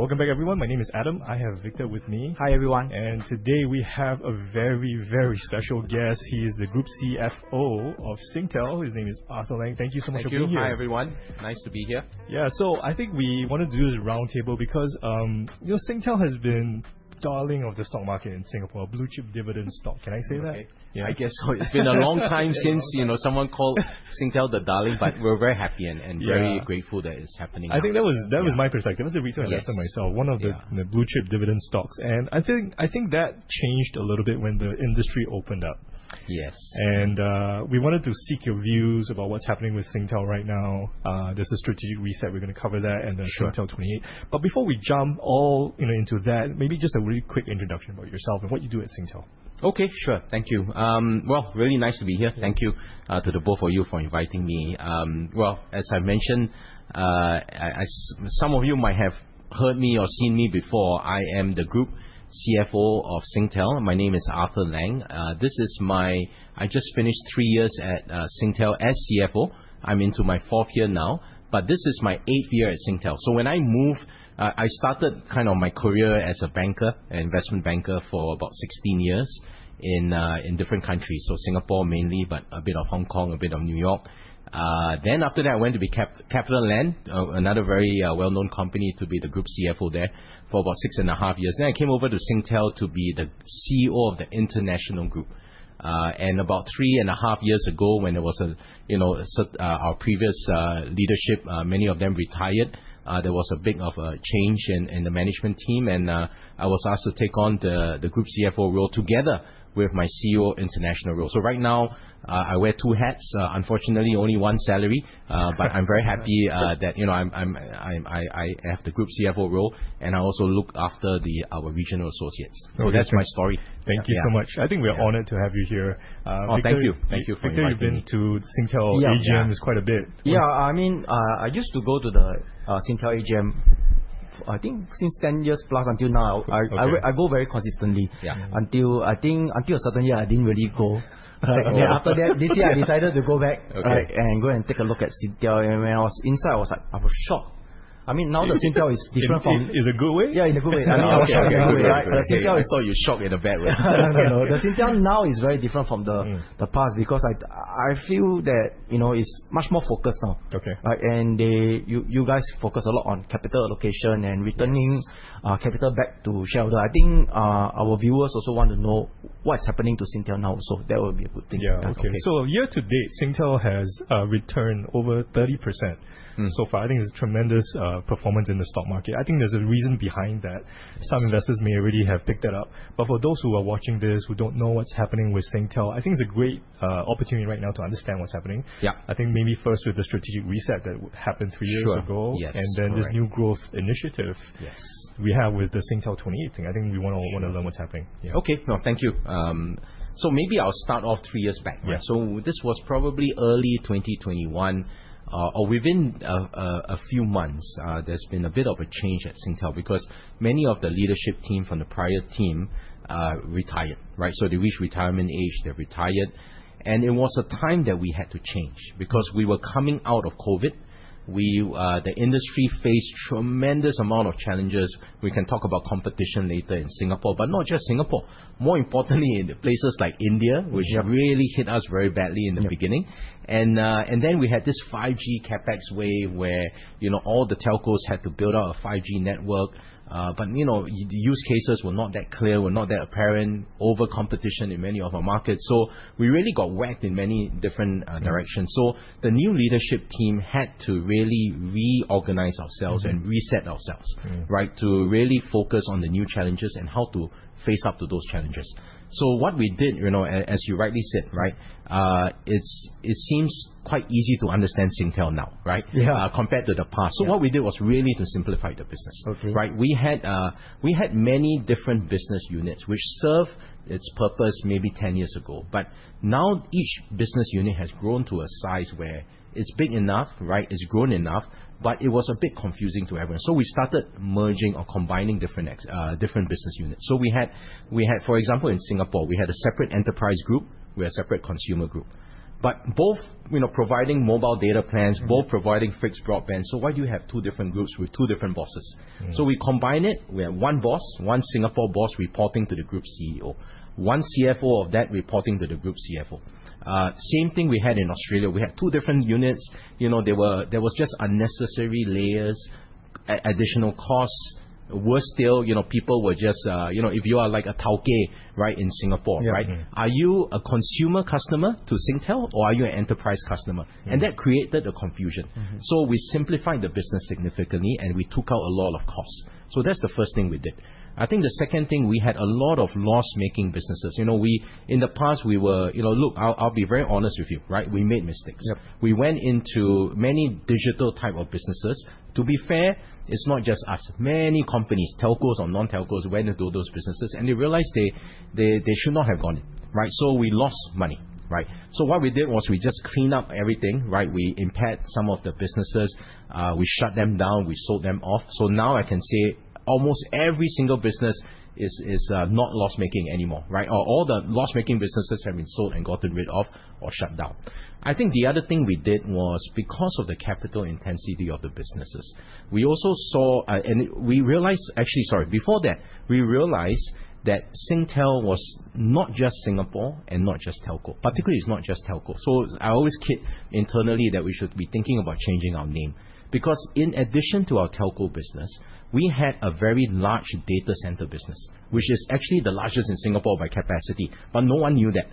Welcome back everyone. My name is Adam. I have Victor with me. Hi, everyone. Today we have a very, very special guest. He is the Group CFO of Singtel. His name is Arthur Lang. Thank you so much for being here. Thank you. Hi, everyone. Nice to be here. Yeah. I think we want to do this roundtable because Singtel has been darling of the stock market in Singapore. Blue-chip dividend stock. Can I say that? Okay. I guess so, yeah. It's been a long time since someone called Singtel the darling, but we're very happy Yeah very grateful that it's happening now. I think that was my perspective as a retail investor myself. Yes. Yeah. One of the blue-chip dividend stocks. I think that changed a little bit when the industry opened up. Yes. We wanted to seek your views about what's happening with Singtel right now. There's a strategic reset. We're going to cover that. Sure Singtel28. Before we jump all into that, maybe just a really quick introduction about yourself and what you do at Singtel. Okay. Sure. Thank you. Really nice to be here. Thank you to the both of you for inviting me. As I mentioned, some of you might have heard me or seen me before. I am the Group CFO of Singtel. My name is Arthur Lang. I just finished three years at Singtel as CFO. I'm into my fourth year now, this is my eighth year at Singtel. When I moved, I started my career as a banker, an investment banker for about 16 years in different countries. Singapore mainly, a bit of Hong Kong, a bit of New York. After that I went to CapitaLand, another very well-known company, to be the Group CFO there for about six and a half years. I came over to Singtel to be the CEO of the international group. About three and a half years ago when our previous leadership, many of them retired, there was a bit of a change in the management team, I was asked to take on the Group CFO role together with my CEO international role. Right now, I wear two hats. Unfortunately, only one salary. I'm very happy that I have the Group CFO role, I also look after our regional associates. Okay. That's my story. Thank you so much. I think we're honored to have you here. Oh, thank you. Thank you for inviting me. Victor, you've been to Singtel AGMs quite a bit. Yeah. I used to go to the Singtel AGM, I think since 10 years plus until now. Okay. I go very consistently. Yeah. Until a certain year, I didn't really go. Then after that, this year, I decided to go back- Okay go and take a look at Singtel. When I was inside, I was shocked. Now that Singtel is different from- In a good way? Yeah, in a good way. I know. I was shocked in a good way. The Singtel is I thought you're shocked in a bad way. No, no. The Singtel now is very different from the past because I feel that it's much more focused now. Okay. Right. You guys focus a lot on capital allocation and returning- Yes capital back to shareholder. I think our viewers also want to know what's happening to Singtel now. That would be a good thing to talk about. Yeah. Okay. Year to date, Singtel has returned over 30% so far. I think it's a tremendous performance in the stock market. I think there's a reason behind that. Some investors may already have picked that up, but for those who are watching this who don't know what's happening with Singtel, I think it's a great opportunity right now to understand what's happening. Yeah. I think maybe first with the strategic reset that happened three years ago. Sure. Yes. Correct. This new growth initiative Yes we have with the Singtel28 thing. I think we want to learn what's happening. Yeah. Okay. No, thank you. Maybe I'll start off three years back. Yeah. This was probably early 2021, or within a few months, there's been a bit of a change at Singtel because many of the leadership team from the prior team retired. They reached retirement age, they retired, and it was a time that we had to change because we were coming out of COVID. The industry faced tremendous amount of challenges. We can talk about competition later in Singapore, but not just Singapore, more importantly, in the places like India- Yeah which really hit us very badly in the beginning. Yeah. We had this 5G CapEx wave where all the telcos had to build out a 5G network. The use cases were not that clear, were not that apparent over competition in many of our markets. We really got whacked in many different directions. The new leadership team had to really reorganize ourselves and reset ourselves to really focus on the new challenges and how to face up to those challenges. What we did, as you rightly said, it seems quite easy to understand Singtel now, right? Yeah. Compared to the past. Yeah. What we did was really to simplify the business. Okay. We had many different business units which served its purpose maybe 10 years ago, but now each business unit has grown to a size where it's big enough, it's grown enough, but it was a bit confusing to everyone. We started merging or combining different business units. We had, for example, in Singapore, we had a separate enterprise group, we had a separate consumer group. Both providing mobile data plans, both providing fixed broadband. Why do you have two different groups with two different bosses? We combine it. We have one boss, one Singapore boss reporting to the Group CEO. One CFO of that reporting to the Group CFO. Same thing we had in Australia. We had two different units. There was just unnecessary layers, additional costs. Worse still, If you are like a towkay in Singapore. Yeah Are you a consumer customer to Singtel, or are you an enterprise customer? That created a confusion. We simplified the business significantly, and we took out a lot of costs. That's the first thing we did. I think the second thing, we had a lot of loss-making businesses. In the past, Look, I'll be very honest with you. We made mistakes. Yep. We went into many digital type of businesses. To be fair, it's not just us. Many companies, telcos or non-telcos, went into those businesses, and they realized they should not have gone in. We lost money. What we did was we just cleaned up everything. We impaired some of the businesses. We shut them down, we sold them off. Now I can say almost every single business is not loss-making anymore. All the loss-making businesses have been sold and gotten rid of or shut down. I think the other thing we did was because of the capital intensity of the businesses, Actually, sorry. Before that, we realized that Singtel was not just Singapore and not just telco. Particularly, it's not just telco. I always kid internally that we should be thinking about changing our name. In addition to our telco business, we had a very large data center business, which is actually the largest in Singapore by capacity, but no one knew that.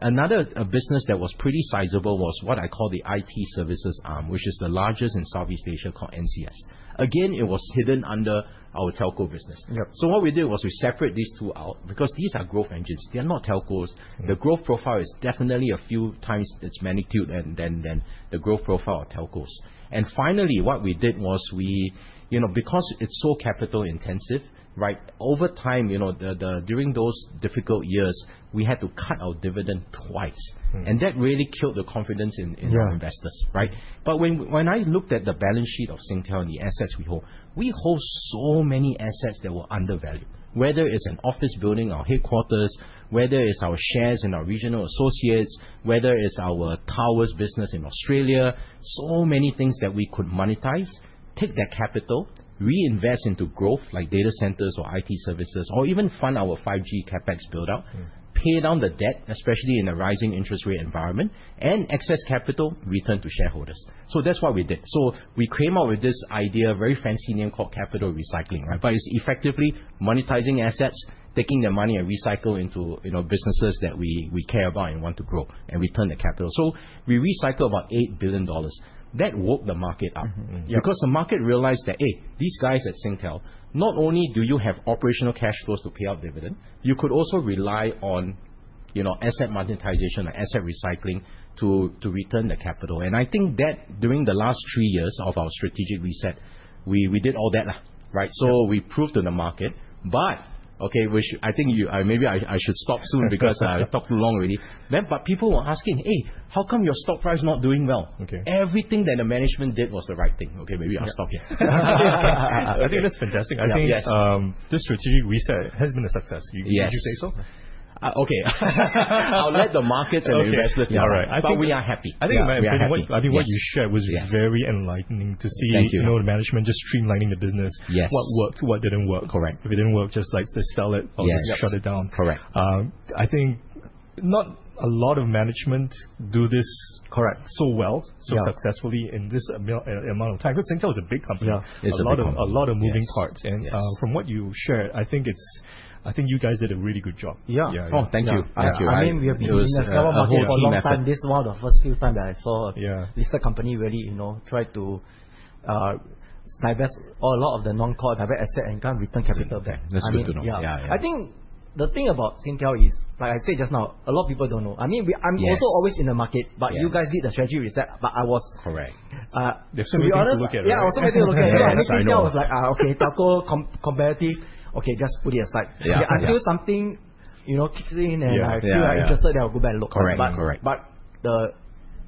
Another business that was pretty sizable was what I call the IT services arm, which is the largest in Southeast Asia, called NCS. Again, it was hidden under our telco business. Yep. What we did was we separated these two out because these are growth engines. They're not telcos. The growth profile is definitely a few times its magnitude than the growth profile of telcos. Finally, what we did was we because it's so capital intensive, over time, during those difficult years, we had to cut our dividend twice. That really killed the confidence in our investors. When I looked at the balance sheet of Singtel and the assets we hold, we hold so many assets that were undervalued, whether it's an office building or headquarters, whether it's our shares in our regional associates, whether it's our towers business in Australia. Many things that we could monetize, take that capital, reinvest into growth, like data centers or IT services, or even fund our 5G CapEx build out, pay down the debt, especially in a rising interest rate environment, and excess capital return to shareholders. That's what we did. We came out with this idea, very fancy name, called capital recycling. It's effectively monetizing assets, taking the money and recycle into businesses that we care about and want to grow, and return the capital. We recycled about 8 billion dollars. That woke the market up. Yeah. The market realized that, "Hey, these guys at Singtel, not only do you have operational cash flows to pay out dividend, you could also rely on asset monetization or asset recycling to return the capital." I think that during the last three years of our strategic reset, we did all that. We proved to the market, okay, which I think maybe I should stop soon because I talked too long already. People were asking, "Hey, how come your stock price is not doing well? Okay. Everything that the management did was the right thing. Okay, maybe I'll stop here. I think that's fantastic. Yes. I think this strategic reset has been a success. Yes. Would you say so? Okay. I'll let the markets and the investors decide. Okay. Yeah, right. We are happy. I think- We are happy. Yes. What you shared was very enlightening. Thank you. the management just streamlining the business. Yes. What worked, what didn't work. Correct. If it didn't work, just sell it or just shut it down. Correct. I think not a lot of management do this. Correct So well, so successfully in this amount of time, because Singtel is a big company. Yeah. It's a big company. A lot of moving parts. Yes. From what you shared, I think you guys did a really good job. Yeah. Yeah. Oh, thank you. Thank you. I mean, we have been in the telecomm market for a long time. This is one of the first few times that I saw- Yeah listed company really try to divest a lot of the non-core divest asset and come return capital back. That's good to know. Yeah. I think the thing about Singtel is, like I said just now, a lot of people don't know. I mean, I'm also always in the market. Yes. You guys did the strategy reset. Correct. There's so many things to look at. to be honest, yeah, I also had a look at it. Singtel was like, okay, telco, competitive. Okay, just put it aside. Yeah. If I feel something ticks in and I feel like interested, I will go back and look. Correct. The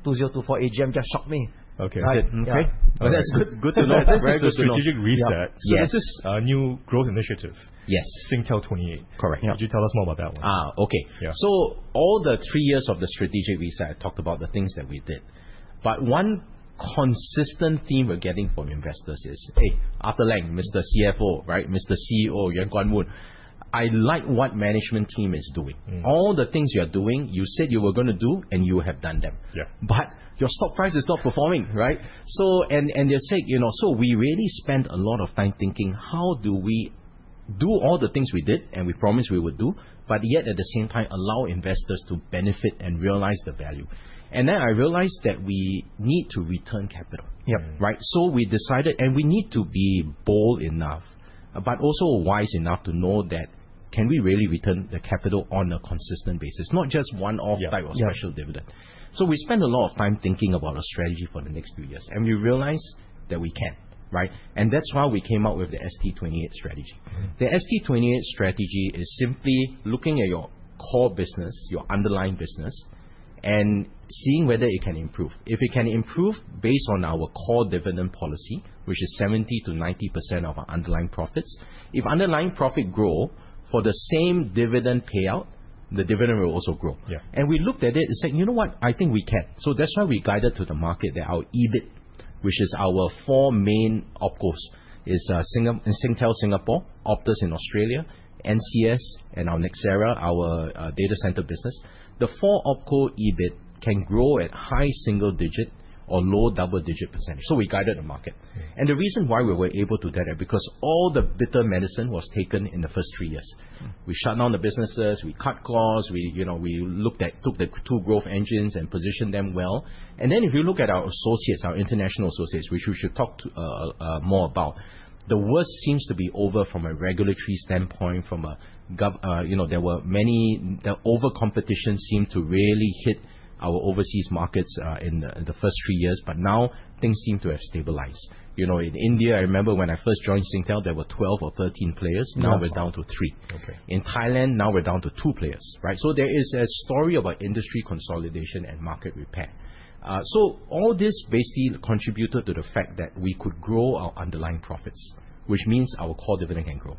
2024 AGM just shocked me. Okay. I said, "Okay. That's good to know. That's good to know. Very good strategic reset. Yes. There's this new growth initiative. Yes. Singtel28. Correct. Yeah. Could you tell us more about that one? Okay. Yeah. All the three years of the strategic reset, I talked about the things that we did. One consistent theme we're getting from investors is, "Hey, Arthur Lang, Mr. CFO, Mr. CEO, Yuen Kuan Moon, I like what management team is doing. All the things you're doing, you said you were going to do, and you have done them. Yeah. Your stock price is not performing." They're saying, we really spent a lot of time thinking, how do we do all the things we did and we promised we would do, yet at the same time allow investors to benefit and realize the value? I realized that we need to return capital. Yep. We decided, we need to be bold enough, also wise enough to know that can we really return the capital on a consistent basis, not just one-off type of special dividend? We spent a lot of time thinking about a strategy for the next few years, we realized that we can. That's why we came out with the ST28 strategy. The ST28 strategy is simply looking at your core business, your underlying business, and seeing whether it can improve. If it can improve based on our core dividend policy, which is 70%-90% of our underlying profits, if underlying profit grow for the same dividend payout, the dividend will also grow. Yeah. We looked at it and said, "You know what? I think we can." That's why we guided to the market that our EBIT, which is our four main OpCos, is Singtel Singapore, Optus in Australia, NCS, and our Nxera, our data center business. The four OpCo EBIT can grow at high single digit or low double-digit percentage. We guided the market. Okay. The reason why we were able to guide it, because all the bitter medicine was taken in the first three years. We shut down the businesses, we cut costs, we took the two growth engines and positioned them well. If you look at our associates, our international associates, which we should talk more about, the worst seems to be over from a regulatory standpoint. There were many. The over competition seemed to really hit our overseas markets in the first three years. Now things seem to have stabilized. In India, I remember when I first joined Singtel, there were 12 or 13 players. Wow, okay. Now we are down to three. Okay. In Thailand, now we are down to two players, right? There is a story about industry consolidation and market repair. All this basically contributed to the fact that we could grow our underlying profits, which means our core dividend can grow.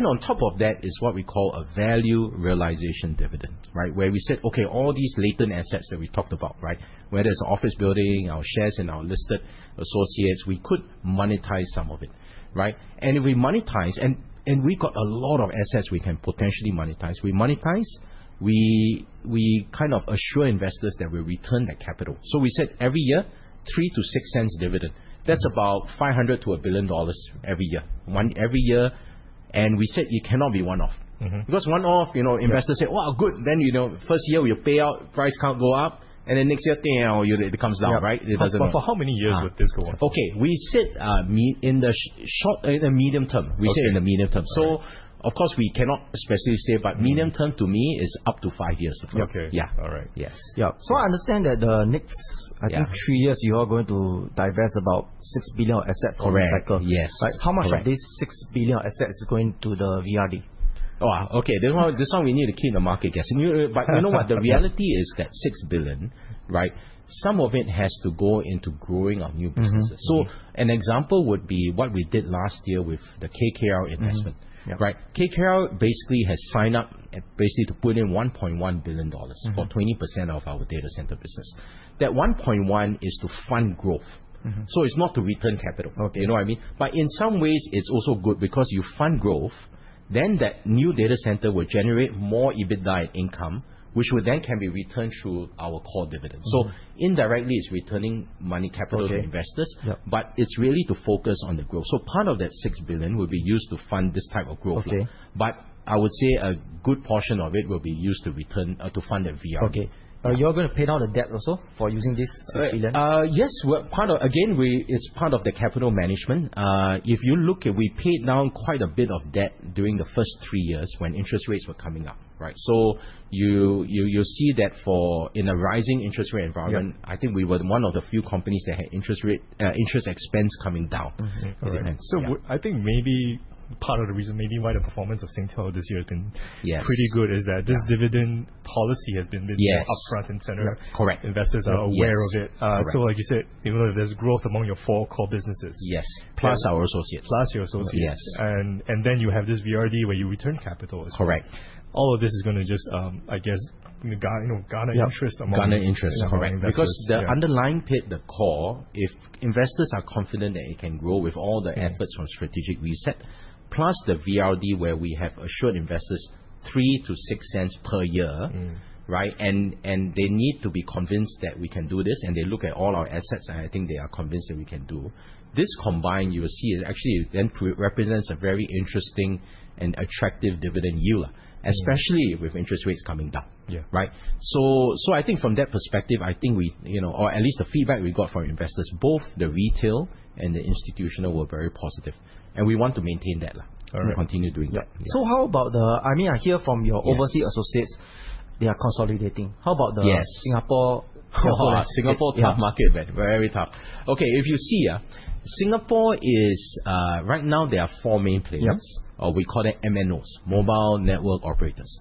On top of that is what we call a value realization dividend, right? We said, okay, all these latent assets that we talked about, right? Whether it is office building, our shares in our listed associates, we could monetize some of it, right? If we monetize, and we got a lot of assets we can potentially monetize. We monetize, we kind of assure investors that we return that capital. We said every year, 0.03-0.06 dividend. Okay. That is about 500 million-1 billion dollars every year. One every year, we said it cannot be one-off. One-off, investors say, "Wow, good." First year we payout, price cannot go up, and next year, it comes down, right? Yeah. For how many years would this go on? Okay. We said in the medium-term. Okay. We said in the medium-term. Of course, we cannot specifically say, medium-term to me is up to five years. Okay. Yeah. All right. Yes. Yep. I understand that. Yeah I think three years you are going to divest about 6 billion. Correct from the cycle. Yes. Correct. How much of this 6 billion asset is going to the VRD? Oh, okay. This one we need to keep the market guessing. You know what? The reality is that 6 billion, right, some of it has to go into growing our new businesses. An example would be what we did last year with the KKR investment. Yep. Right? KKR basically has signed up to put in 1.1 billion dollars. For 20% of our data center business. That 1.1 is to fund growth. It's not to return capital. Okay. You know what I mean? In some ways it's also good because you fund growth, then that new data center will generate more EBITDA in income, which would then can be returned through our core dividends. Okay. indirectly, it's returning money capital. Okay to investors. Yep it's really to focus on the growth. Part of that 6 billion will be used to fund this type of growth here. Okay. I would say a good portion of it will be used to fund that VRD. Okay. You're going to pay down the debt also for using this 6 billion? Yes. Again, it is part of the capital management. If you look at, we paid down quite a bit of debt during the first three years when interest rates were coming up, right? You'll see that in a rising interest rate environment. Yep I think we were one of the few companies that had interest expense coming down. Okay. Yeah. I think maybe part of the reason maybe why the performance of Singtel this year has been Yes pretty good is that this dividend policy has been Yes been upfront and center. Correct. Investors are aware of it. Yes. Correct. Like you said, even though there's growth among your four core businesses. Yes. Plus our associates. plus your associates. Yes. You have this VRD where you return capital as well. Correct. All of this is going to just, I guess, garner interest among Yeah. Garner interest investors. Yeah. Correct. Because the underlying pit, the core, if investors are confident that it can grow with all the efforts from strategic reset, plus the VRD where we have assured investors 0.03-0.06 per year. Right? They need to be convinced that we can do this, they look at all our assets, I think they are convinced that we can do this combined, you will see it actually then represents a very interesting and attractive dividend yield, especially with interest rates coming down. Yeah. Right? I think from that perspective or at least the feedback we got from investors, both the retail and the institutional were very positive, we want to maintain that. All right. Continue doing that. Yep. Yeah. How about I hear from your overseas associates- Yes they are consolidating. How about Yes Singapore market? Singapore market, very tough. Okay, if you see, Singapore, right now there are four main players. Yep. We call them MNOs, mobile network operators.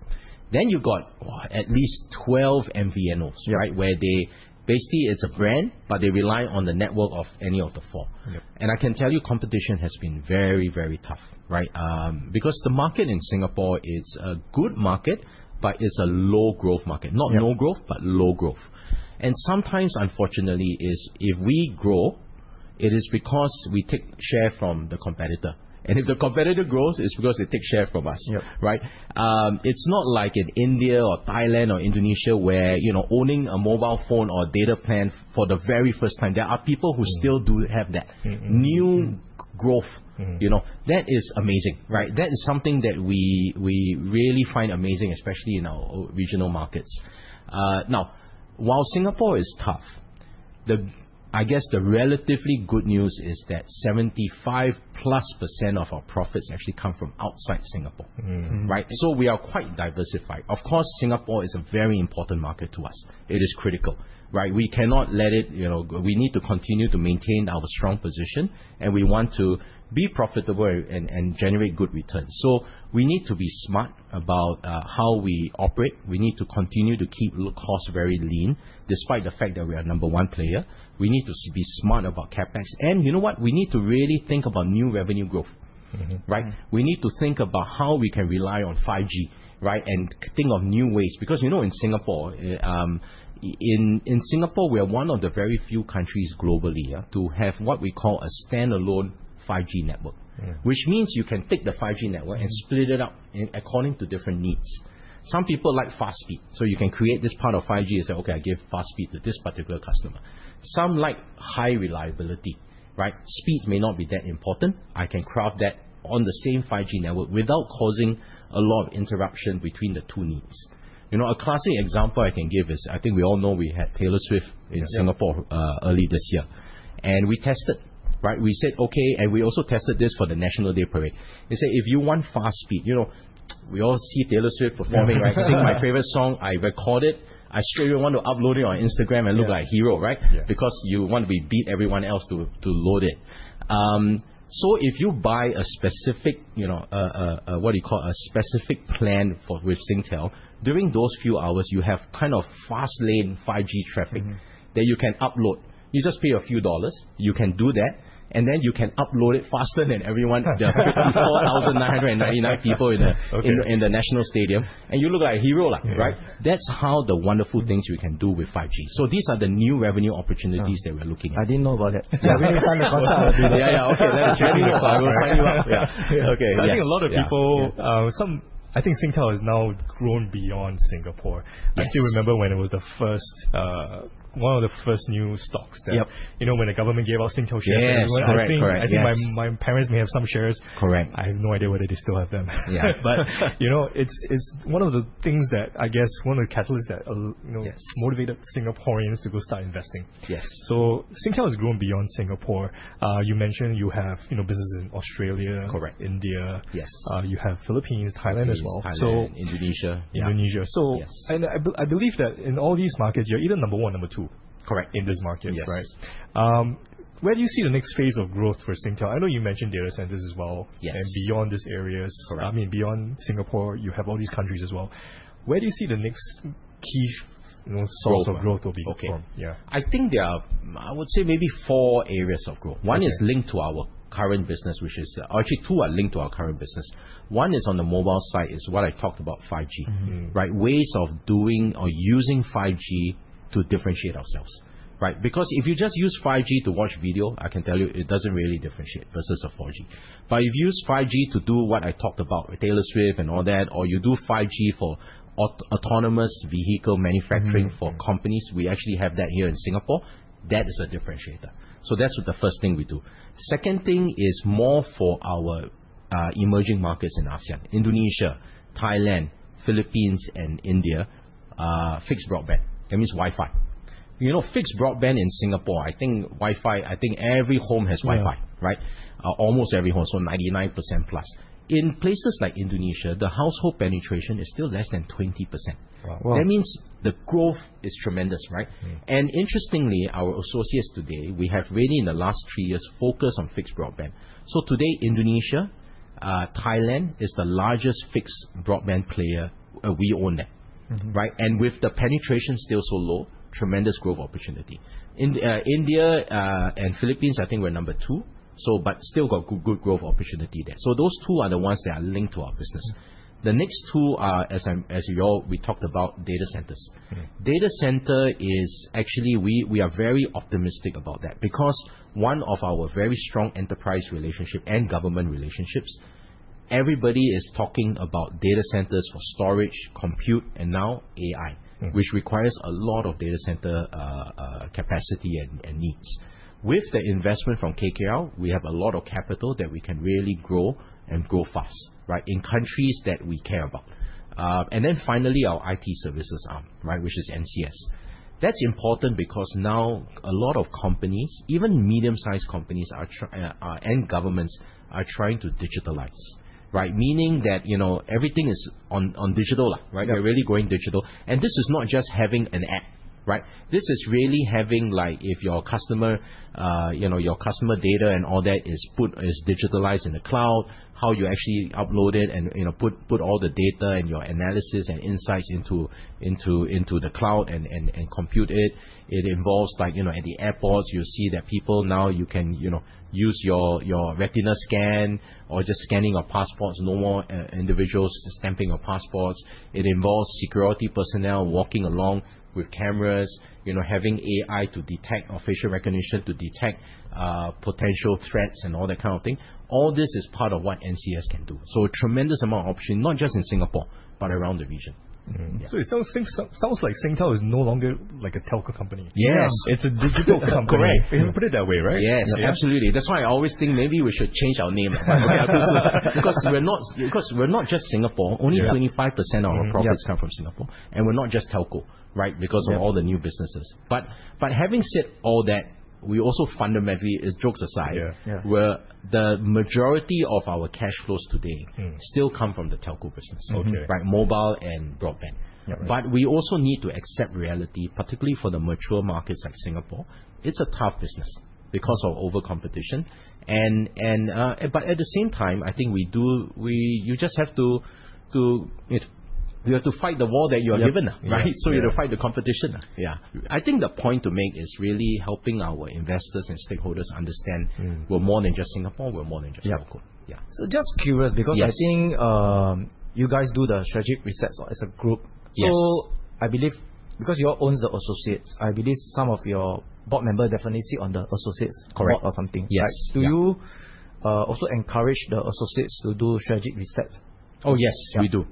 You've got at least 12 MVNOs. Yeah. Where they basically it's a brand, they rely on the network of any of the four. Yep. I can tell you competition has been very, very tough, right? The market in Singapore, it's a good market, it's a low growth market. Yep. Not no growth, but low growth. Sometimes unfortunately is if we grow, it is because we take share from the competitor. If the competitor grows, it's because they take share from us. Yep. Right? It's not like in India or Thailand or Indonesia where owning a mobile phone or a data plan for the very first time. There are people who still do have that- new growth. That is amazing, right? That is something that we really find amazing, especially in our regional markets. While Singapore is tough, I guess the relatively good news is that 75%+ of our profits actually come from outside Singapore. We are quite diversified. Of course, Singapore is a very important market to us. It is critical, right? We need to continue to maintain our strong position, we want to be profitable and generate good returns. We need to be smart about how we operate. We need to continue to keep costs very lean despite the fact that we are number 1 player. We need to be smart about CapEx. You know what? We need to really think about new revenue growth. We need to think about how we can rely on 5G, and think of new ways. In Singapore, we are one of the very few countries globally to have what we call a standalone 5G network. Yeah. Which means you can take the 5G network and split it up according to different needs. Some people like fast speed, you can create this part of 5G and say, "Okay, I give fast speed to this particular customer." Some like high reliability. Speed may not be that important. I can craft that on the same 5G network without causing a lot of interruption between the two needs. A classic example I can give is, I think we all know we had Taylor Swift in Singapore early this year, we tested. We said, okay, we also tested this for the National Day Parade. They say if you want fast speed We all see Taylor Swift performing. Yeah. Sing my favorite song, I record it, I straight away want to upload it on Instagram and look like a hero, right? Yeah. You want to beat everyone else to load it. If you buy a specific plan with Singtel, during those few hours, you have kind of fast lane 5G traffic that you can upload. You just pay a few dollars, you can do that, and then you can upload it faster than everyone else 54,999 people in the National Stadium, and you look like a hero. Yeah. That's how the wonderful things we can do with 5G. These are the new revenue opportunities that we're looking at. I didn't know about that. Yeah. We need to sign up also. Yeah, okay. I will sign you up. Yeah. Okay, yes. Yeah. I think a lot of people Singtel has now grown beyond Singapore. Yes. I still remember when it was one of the first new stocks. Yep When the government gave out Singtel shares to everyone. Yes. Correct. I think my parents may have some shares. Correct. I have no idea whether they still have them. Yeah. It's one of the things that, I guess, one of the catalysts. Yes motivated Singaporeans to go start investing. Yes. Singtel has grown beyond Singapore. You mentioned you have businesses in Australia. Correct India. Yes. You have Philippines, Thailand as well. Philippines, Thailand, Indonesia. Yeah. Indonesia. Yes. I believe that in all these markets, you're either number 1 or number 2. Correct in these markets, right? Yes. Where do you see the next phase of growth for Singtel? I know you mentioned data centers as well. Yes. Beyond these areas. Correct I mean, beyond Singapore, you have all these countries as well. Where do you see the next key source of growth will be? Okay. Yeah. I think there are, I would say maybe four areas of growth. Okay. One is linked to our current business, which is Actually, two are linked to our current business. One is on the mobile side, is what I talked about, 5G. Ways of doing or using 5G to differentiate ourselves. If you just use 5G to watch video, I can tell you it doesn't really differentiate versus a 4G. If you use 5G to do what I talked about with Taylor Swift and all that, or you do 5G for autonomous vehicle manufacturing for companies, we actually have that here in Singapore, that is a differentiator. That's the first thing we do. Second thing is more for our emerging markets in Asia, Indonesia, Thailand, Philippines, and India, fixed broadband, that means Wi-Fi. Fixed broadband in Singapore, I think every home has Wi-Fi. Almost every home, 99% plus. In places like Indonesia, the household penetration is still less than 20%. Wow. That means the growth is tremendous. Interestingly, our associates today, we have really in the last three years focused on fixed broadband. Today, Indonesia, Thailand is the largest fixed broadband player. We own that. With the penetration still so low, tremendous growth opportunity. India and Philippines, I think we're number two, still got good growth opportunity there. Those two are the ones that are linked to our business. The next two are, as we talked about, data centers. Okay. Data center is actually, we are very optimistic about that because one of our very strong enterprise relationship and government relationships, everybody is talking about data centers for storage, compute, and now AI, which requires a lot of data center capacity and needs. With the investment from KKR, we have a lot of capital that we can really grow and grow fast in countries that we care about. Finally, our IT services arm, which is NCS. That's important because now a lot of companies, even medium sized companies and governments are trying to digitalize. Meaning everything is on digital. Yeah. We're really going digital. This is not just having an app. This is really having, like if your customer data and all that is digitalized in the cloud, how you actually upload it and put all the data and your analysis and insights into the cloud and compute it. It involves like at the airports, you see that people now you can use your retina scan or just scanning your passports. No more individuals stamping your passports. It involves security personnel walking along with cameras, having AI to detect, or facial recognition to detect potential threats and all that kind of thing. All this is part of what NCS can do. A tremendous amount of opportunity, not just in Singapore, but around the region. Mm-hmm. Yeah. It sounds like Singtel is no longer like a telco company. Yes. Yeah. It's a digital company. Correct. If you put it that way, right? Yes, absolutely. That's why I always think maybe we should change our name. We're not just Singapore. Yeah. Only 25% of our profits come from Singapore. We're not just telco because of all the new businesses. Having said all that, we also fundamentally, jokes aside. Yeah The majority of our cash flows today still come from the telco business. Okay. Like mobile and broadband. Yep. We also need to accept reality, particularly for the mature markets like Singapore. It's a tough business because of over-competition. At the same time, I think you just have to You have to fight the war that you are given. Yeah. Right? You have to fight the competition. Yeah. I think the point to make is really helping our investors and stakeholders understand we're more than just Singapore, we're more than just Telco. Yeah. Just curious. Yes I think you guys do the strategic resets as a group. Yes. I believe because you own the associates, I believe some of your board member definitely sit on the associates. Correct board or something, right? Yes. Yeah. Do you also encourage the associates to do strategic reset? Oh, yes, we do.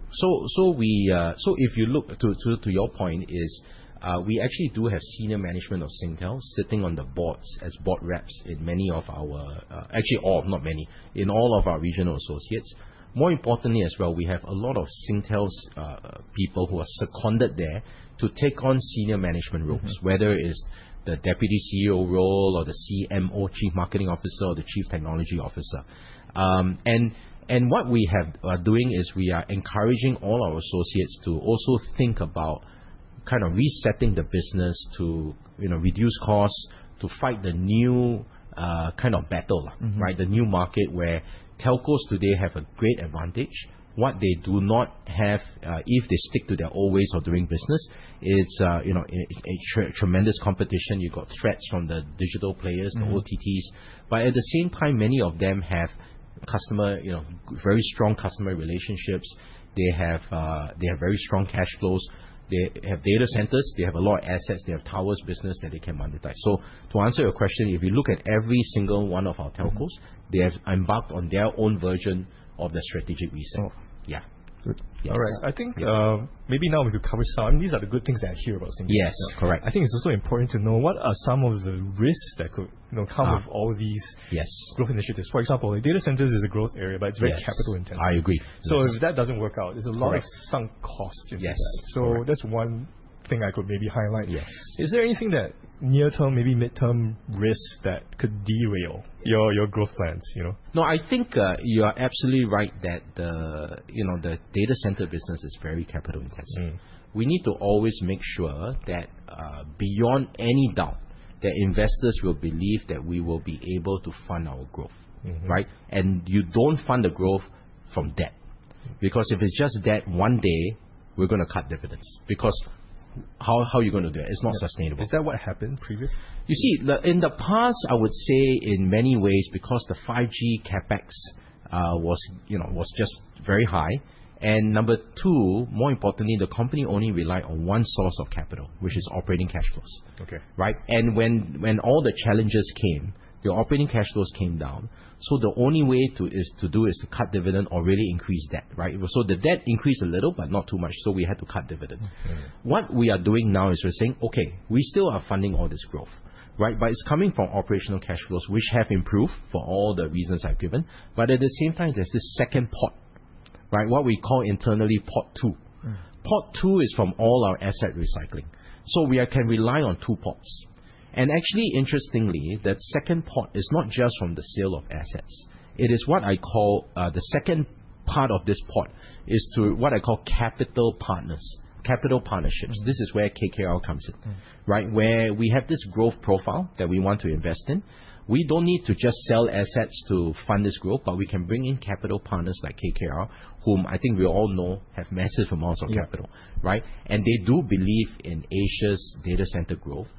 If you look to your point is, we actually do have senior management of Singtel sitting on the boards as board reps in many of our, actually all, not many, in all of our regional associates. More importantly as well, we have a lot of Singtel's people who are seconded there to take on senior management roles, whether it is the deputy CEO role or the CMO, chief marketing officer or the chief technology officer. What we are doing is we are encouraging all our associates to also think about kind of resetting the business to reduce costs, to fight the new kind of battle. The new market where telcos today have a great advantage. What they do not have, if they stick to their old ways of doing business, it's a tremendous competition. You've got threats from the digital players- the OTTs. At the same time, many of them have very strong customer relationships. They have very strong cash flows, they have data centers, they have a lot of assets, they have towers business that they can monetize. To answer your question, if you look at every single one of our telcos- they have embarked on their own version of the strategic reset. Oh. Yeah. Good. Yes. All right. These are the good things that I hear about Singtel. Yes, correct. I think it's also important to know what are some of the risks that could come with all these- Yes growth initiatives. For example, data centers is a growth area, but it's very capital intensive. Yes. I agree. Yes. If that doesn't work out, there's a lot of sunk cost in there. Yes. Correct. That's one thing I could maybe highlight. Yes. Is there anything that near term, maybe midterm risks that could derail your growth plans? No, I think you are absolutely right that the data center business is very capital intensive. We need to always make sure that beyond any doubt, that investors will believe that we will be able to fund our growth. Right? You don't fund the growth from debt, because if it's just debt, one day we're going to cut dividends, because how are you going to do that? It's not sustainable. Is that what happened previously? You see, in the past, I would say in many ways, because the 5G CapEx was just very high. Number two, more importantly, the company only relied on one source of capital, which is operating cash flows. Okay. Right? When all the challenges came, the operating cash flows came down. The only way is to do is to cut dividend or really increase debt, right? The debt increased a little, but not too much, we had to cut dividend. What we are doing now is we're saying, okay, we still are funding all this growth. It's coming from operational cash flows, which have improved for all the reasons I've given. At the same time, there's this second pot. What we call internally pot 2. Pot 2 is from all our asset recycling. We can rely on two pots. Actually interestingly, that second pot is not just from the sale of assets. It is what I call the second part of this pot is through what I call capital partners. Capital partnerships. This is where KKR comes in. Where we have this growth profile that we want to invest in, we don't need to just sell assets to fund this growth, but we can bring in capital partners like KKR, whom I think we all know have massive amounts of capital. Yeah. Right? They do believe in Asia's data center growth.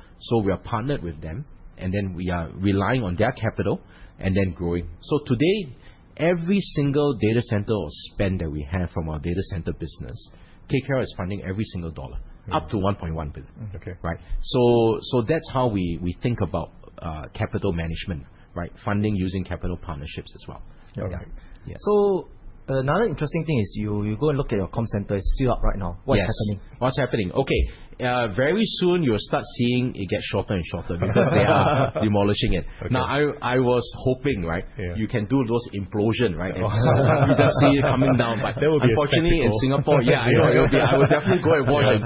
We are partnered with them, and then we are relying on their capital and then growing. Today, every single data center or spend that we have from our data center business, KKR is funding every single dollar up to 1.1 billion. Okay. Right? That's how we think about capital management, right? Funding using capital partnerships as well. Okay. Yes. Another interesting thing is you go and look at your Comcentre, it's sealed up right now. Yes. What's happening? What's happening? Very soon, you'll start seeing it get shorter and shorter because they are demolishing it. I was hoping, right? Yeah. You can do those implosion, right? Oh. You just see it coming down. That would be a spectacle. Unfortunately, in Singapore, yeah, I know, I would definitely go and watch and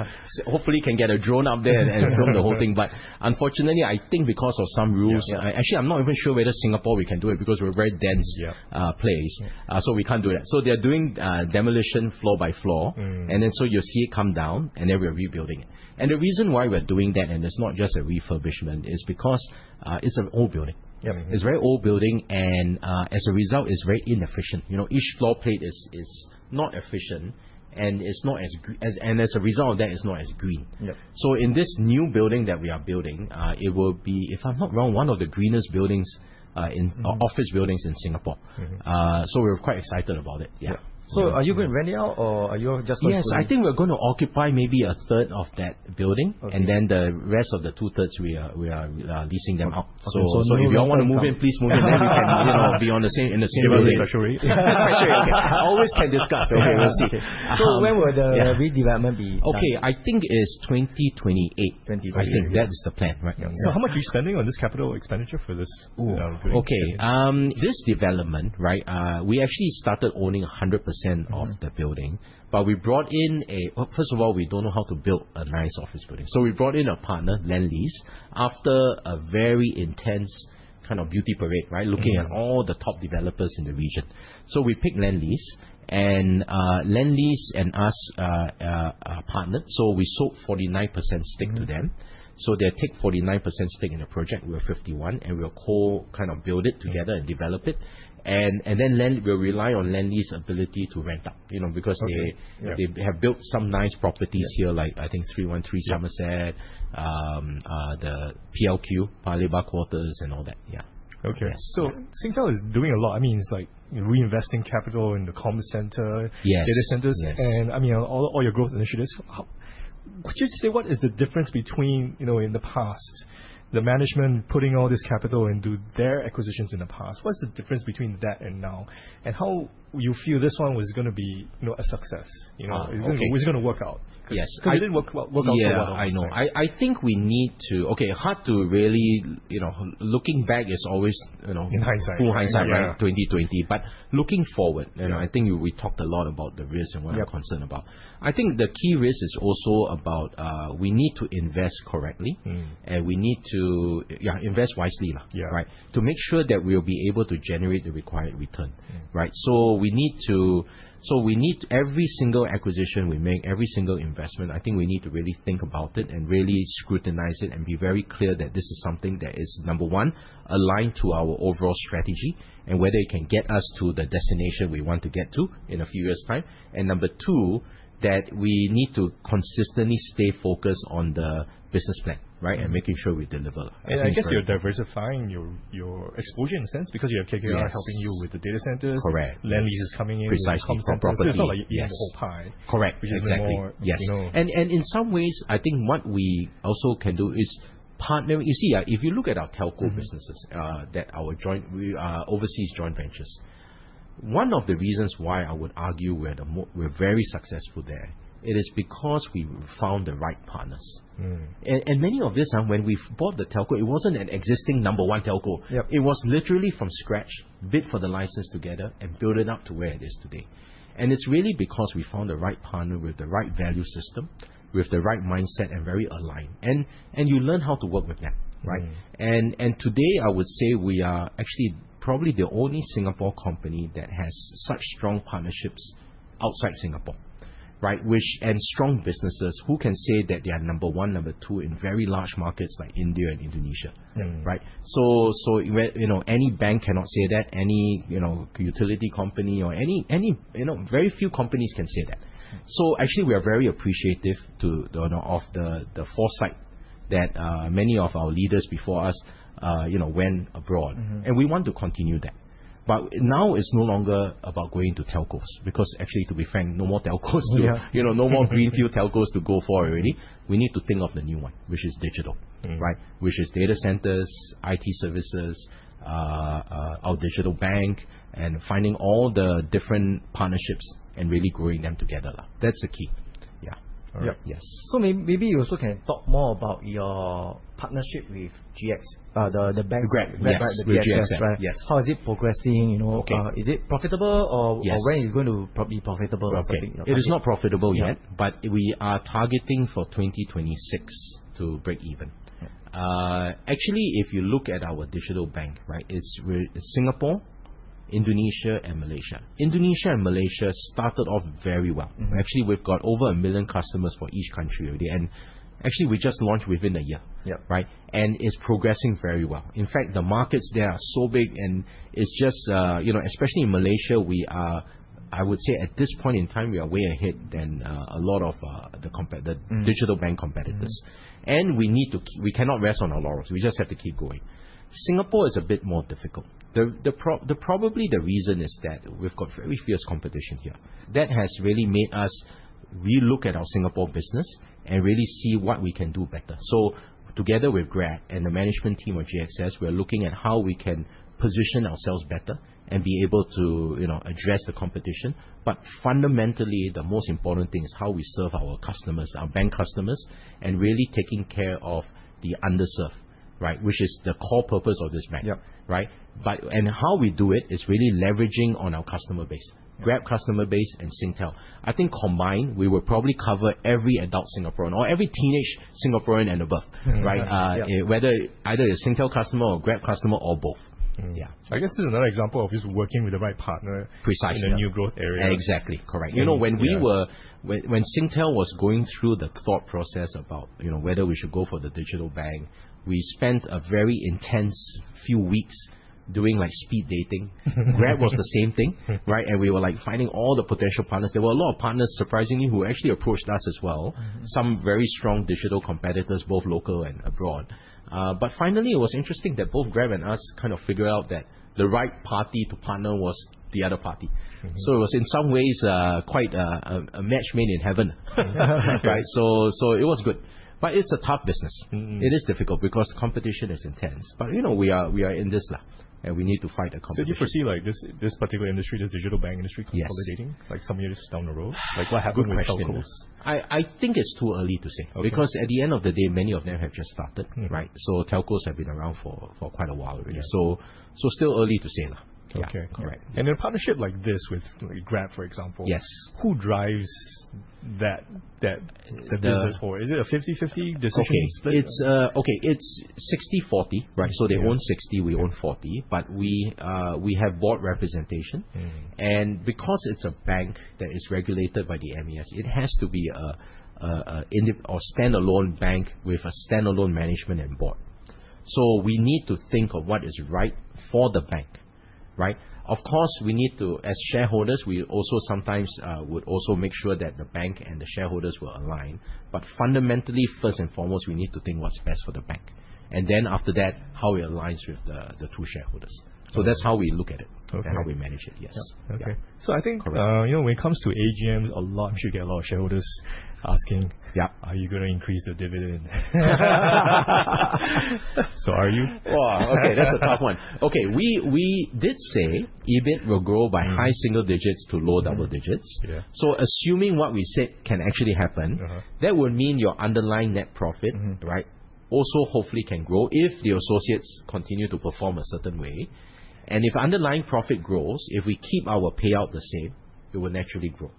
hopefully can get a drone up there and film the whole thing. Unfortunately, I think because of some rules. Yeah. Actually, I'm not even sure whether Singapore we can do it because we're a very. Yeah place, so we can't do that. They're doing demolition floor by floor. Then so you see it come down, and then we're rebuilding it. The reason why we're doing that, and it's not just a refurbishment, is because it's an old building. Yep. It's a very old building, and as a result, it's very inefficient. Each floor plate is not efficient and as a result of that, it's not as green. Yep. In this new building that we are building, it will be, if I'm not wrong, one of the greenest office buildings in Singapore. We're quite excited about it. Yeah. Yeah. Are you going to rent it out or are you just going to? Yes, I think we're going to occupy maybe a third of that building. Okay. The rest of the two thirds we are leasing them out. Okay. If you all want to come in, please move in, we can be in the same building. Give us a special rate. Always can discuss. We'll see. Okay. When will the redevelopment be done? Okay, I think it is 2028. 2028. I think that is the plan right now. How much are you spending on this capital expenditure for this building? Okay. This development, we actually started owning 100% of the building. We brought in a Well, first of all, we don't know how to build a nice office building, we brought in a partner, Lendlease, after a very intense kind of beauty parade, right? Looking at all the top developers in the region. We picked Lendlease and us our partner. We sold 49% stake to them. They take 49% stake in the project, we have 51, and we'll co kind of build it together and develop it. Then we'll rely on Lendlease' ability to rent out. Okay. Yeah they have built some nice properties here, like I think 313@somerset. Yeah the PLQ, Paya Lebar Quarters, and all that. Yeah. Okay. Yes. Singtel is doing a lot. It's like reinvesting capital in the Comcentre- Yes data centers- Yes all your growth initiatives. Could you say what is the difference between, in the past, the management putting all this capital into their acquisitions in the past? What's the difference between that and now? How you feel this one is going to be a success? You know? Oh, okay. Is this going to work out? Yes. It didn't work out so well the last time. Yeah, I know. I think we need to. Hard to really, looking back is always. In hindsight. full hindsight, right? Yeah. 20/20. looking forward. Yeah I think we talked a lot about the risks and what. Yeah we're concerned about. I think the key risk is also about, we need to invest correctly. We need to invest wisely. Yeah. To make sure that we'll be able to generate the required return. Every single acquisition we make, every single investment, I think we need to really think about it and really scrutinize it and be very clear that this is something that is, number one, aligned to our overall strategy, and whether it can get us to the destination we want to get to in a few years' time. Number two, that we need to consistently stay focused on the business plan. Making sure we deliver. I guess you're diversifying your exposure in a sense because you have KKR- Yes helping you with the data centers. Correct. Lendlease is coming in. Precisely with the comms centers. From property. it's not like you're eating the whole pie. Yes. Correct. Exactly. Which is even more. Yes. In some ways, I think what we also can do is partner. You see, if you look at our telco businesses. Our overseas joint ventures, one of the reasons why I would argue we're very successful there, it is because we found the right partners. Many of this, when we bought the telco, it wasn't an existing number one telco. Yep. It was literally from scratch, bid for the license together, and build it up to where it is today. It's really because we found the right partner with the right value system, with the right mindset, and very aligned. You learn how to work with them, right? Today, I would say we are actually probably the only Singapore company that has such strong partnerships outside Singapore. Right? Strong businesses. Who can say that they are number one, number two in very large markets like India and Indonesia? Right. Any bank cannot say that, any utility company. Very few companies can say that. Actually we are very appreciative of the foresight that many of our leaders before us went abroad. We want to continue that. Now it's no longer about going to telcos because actually, to be frank, no more telcos to. Yeah. No more greenfield telcos to go for already. We need to think of the new one, which is digital. Right. Which is data centers, IT services, our digital bank, finding all the different partnerships and really growing them together. That's the key. Yeah. Yep. Yes. maybe you also can talk more about your partnership with GXS. Grab Grab, right? The GXS, right? Yes. How is it progressing? Okay. Is it profitable? Yes when is it going to be profitable or something? Okay. It is not profitable yet. Yeah. We are targeting for 2026 to break even. Yeah. Actually, if you look at our digital bank, it's Singapore, Indonesia, and Malaysia. Indonesia and Malaysia started off very well. Actually, we've got over a million customers for each country already. Actually, we just launched within a year. Yep. Right? It's progressing very well. In fact, the markets there are so big and it's just, especially in Malaysia, we are, I would say at this point in time, we are way ahead than a lot of the digital bank competitors. We cannot rest on our laurels. We just have to keep going. Singapore is a bit more difficult. Probably the reason is that we've got very fierce competition here. That has really made us relook at our Singapore business and really see what we can do better. Together with Grab and the management team of GXS, we're looking at how we can position ourselves better and be able to address the competition. Fundamentally, the most important thing is how we serve our customers, our bank customers, and really taking care of the underserved, which is the core purpose of this bank. Yep. Right? How we do it is really leveraging on our customer base. Grab customer base and Singtel. I think combined, we will probably cover every adult Singaporean or every teenage Singaporean and above. Right? Yeah. Whether either a Singtel customer or Grab customer or both. Yeah. I guess this is another example of just working with the right partner. Precisely in a new growth area. Exactly. Correct. When Singtel was going through the thought process about whether we should go for the digital bank, we spent a very intense few weeks doing speed dating. Grab was the same thing. Right? We were finding all the potential partners. There were a lot of partners, surprisingly, who actually approached us as well. Some very strong digital competitors, both local and abroad. Finally, it was interesting that both Grab and us kind of figured out that the right party to partner was the other party. It was in some ways, quite a match made in heaven. Right? It was good. It's a tough business. It is difficult because competition is intense. We are in this now, and we need to fight the competition. Do you foresee this particular industry, this digital bank industry? Yes consolidating like some years down the road? Like what happened with telcos? Good question. I think it's too early to say. Okay. At the end of the day, many of them have just started. Right? telcos have been around for quite a while already. Yeah. Still early to say now. Okay. Correct. A partnership like this with Grab, for example. Yes who drives that business forward? Is it a 50/50 decision split? Okay. It's 60/40. Yeah. They own 60, we own 40, we have board representation. Because it's a bank that is regulated by the MAS, it has to be a standalone bank with a standalone management and board. We need to think of what is right for the bank. Of course, as shareholders, we also sometimes would also make sure that the bank and the shareholders were aligned. Fundamentally, first and foremost, we need to think what's best for the bank. Then after that, how it aligns with the true shareholders. That's how we look at it. Okay. How we manage it. Yes. Okay. Yeah. Correct when it comes to AGM, you get a lot of shareholders asking. Yeah Are you gonna increase the dividend? Are you? Wow, okay. That's a tough one. Okay, we did say EBIT will grow by high single digits to low double digits. Yeah. Assuming what we said can actually happen. that would mean your underlying net profit. right, also hopefully can grow if the associates continue to perform a certain way. If underlying profit grows, if we keep our payout the same, it will naturally grow.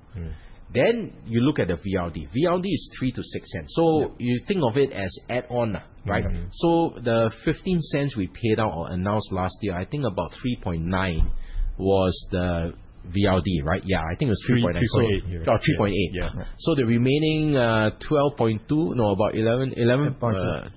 You look at the VRD. VRD is 0.03 to 0.06. You think of it as add on. Right? The 0.15 we paid out or announced last year, I think about 0.039 was the VRD, right? Yeah, I think it was 0.039. 3.8. 3.8. Yeah. Oh, 3.8. Yeah. The remaining 12.2, no, about. 11.2.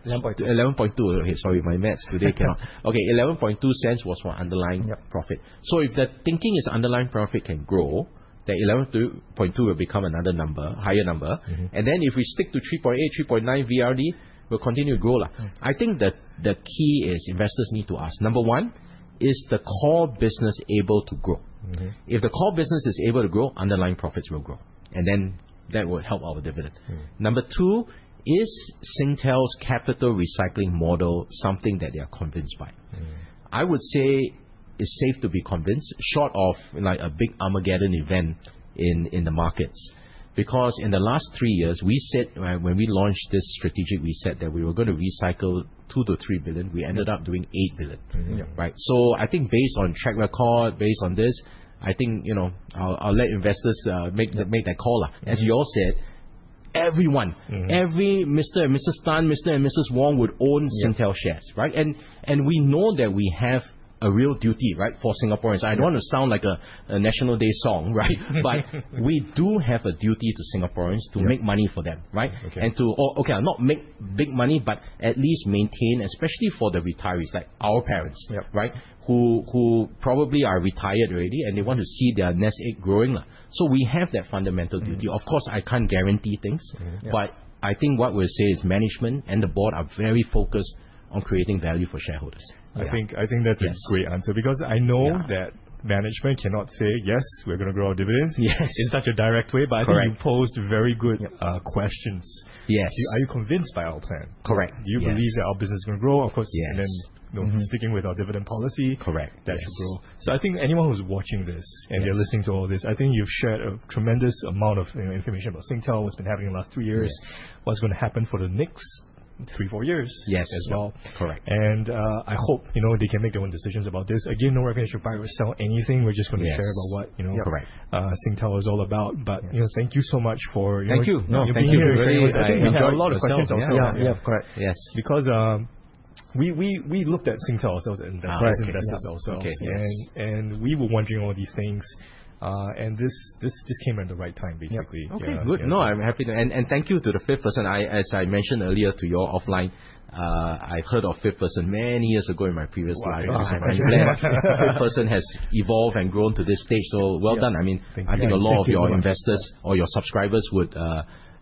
11.2. Okay, sorry, my maths today cannot Okay, 0.112 was for underlying profit. If the thinking is underlying profit can grow, that 11.2 will become another number, higher number. If we stick to 3.8, 3.9 VRD, will continue to grow. I think the key is investors need to ask, number 1, is the core business able to grow? If the core business is able to grow, underlying profits will grow. That will help our dividend. Number 2, is Singtel's capital recycling model something that they are convinced by? I would say it's safe to be convinced, short of a big Armageddon event in the markets. In the last three years, when we launched this strategic reset that we were gonna recycle 2 billion-3 billion, we ended up doing 8 billion. Mm-hmm. Yeah. I think based on track record, based on this, I'll let investors make that call. As you all said, everyone, every Mr. and Mrs. Tan, Mr. and Mrs. Wong would own Singtel shares, right? We know that we have a real duty for Singaporeans. I don't want to sound like a National Day song, right? We do have a duty to Singaporeans to make money for them. Right? Okay. Okay, not make big money, but at least maintain, especially for the retirees, like our parents- Yeah Who probably are retired already, they want to see their nest egg growing. We have that fundamental duty. Of course, I can't guarantee things. Yeah. I think what we'll say is management and the board are very focused on creating value for shareholders. I think that's a great answer because I know that management cannot say, "Yes, we're gonna grow our dividends. Yes in such a direct way, I think you posed very good questions. Yes. Are you convinced by our plan? Correct. Yes. Do you believe that our business is gonna grow? Of course. Yes. Sticking with our dividend policy. Correct. Yes. that it will grow. I think anyone who's watching this. Yes you're listening to all this, I think you've shared a tremendous amount of information about Singtel, what's been happening in the last two years. Yes what's gonna happen for the next three, four years. Yes as well. Correct. I hope they can make their own decisions about this. Again, nowhere can you buy or sell anything. We're just gonna share about. Yes. Correct. Singtel is all about. Thank you so much. Thank you. being here. Thank you. We had a lot of questions ourselves. Yeah. Correct. Yes. Because we looked at Singtel ourselves and as investors ourselves. Okay. Yes. We were wondering all these things. This just came at the right time, basically. Okay, good. No, I'm happy to. Thank you to The Fifth Person. As I mentioned earlier to you offline, I've heard of Fifth Person many years ago in my previous life. Wow. Thank you so much. Fifth Person has evolved and grown to this stage, so well done. Thank you. I think a lot of your investors or your subscribers would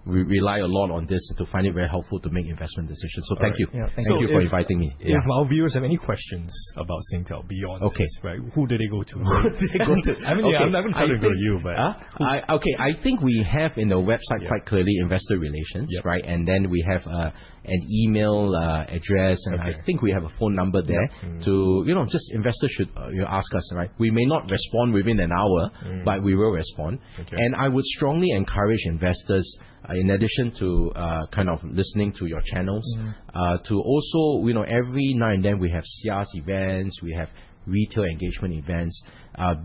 rely a lot on this to find it very helpful to make investment decisions. Thank you. Yeah. Thanks for having me. Thank you for inviting me. Yeah. If our viewers have any questions about Singtel beyond this. Okay Who do they go to? Who do they go to? I'm not even telling them to go to you, but. Okay. I think we have in the website quite clearly investor relations. Yep. We have an email address. Okay. I think we have a phone number there. Yep. Mm-hmm. Investors should ask us. We may not respond within an hour, but we will respond. Okay. I would strongly encourage investors, in addition to listening to your channels, to also, every now and then we have CSR events, we have retail engagement events.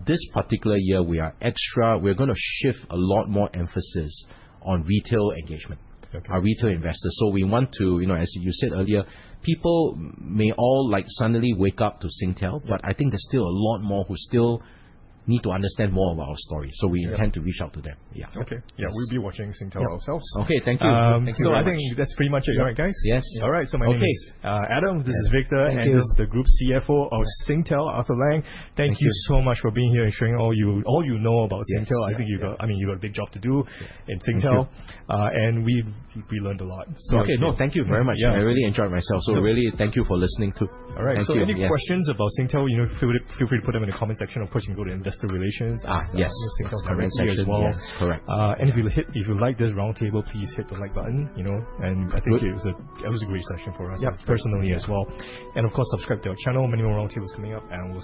This particular year, we are extra. We're gonna shift a lot more emphasis on retail engagement. Okay. Our retail investors. We want to, as you said earlier, people may all suddenly wake up to Singtel, but I think there's still a lot more who still need to understand more about our story. We intend to reach out to them. Yeah. Okay. Yeah. We'll be watching Singtel ourselves. Okay. Thank you. I think that's pretty much it, right guys? Yes. Yes. All right. My name is Adam, this is Victor. Thank you. This is the Group CFO of Singtel, Arthur Lang. Thank you so much for being here and sharing all you know about Singtel. Yes. I think you've got a big job to do in Singtel. Thank you. We learned a lot. Thank you. Okay. No, thank you very much. I really enjoyed myself. Really, thank you for listening, too. All right. Any questions about Singtel, feel free to put them in the comment section. Of course, you can go to investor relations. Yes. That's the correct section. singtel.sg as well. Yes. Correct. If you liked this round table, please hit the like button. Good. I think it was a great session for us- Yeah personally as well. Of course, subscribe to our channel. Many more round tables coming up, and we-